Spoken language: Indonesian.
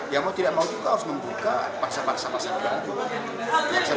yang tidak mau juga harus membuka pasar pasar pasar baru